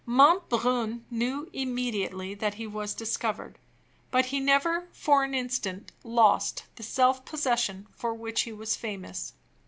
Monbrun knew immediately that he was discovered; but he never for an instant lost the self possession for which he was famous.